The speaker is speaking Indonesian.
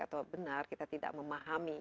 atau benar kita tidak memahami